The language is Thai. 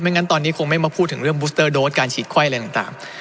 งั้นตอนนี้คงไม่มาพูดถึงเรื่องบูสเตอร์โดสการฉีดไข้อะไรต่าง